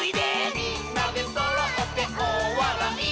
「みんなでそろっておおわらい」